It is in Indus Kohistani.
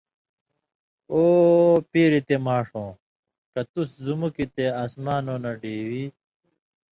وو پېریۡ یی تے ماݜؤں! کہ تُس زُمُک یی تے اسمانؤں نہ ڈیوی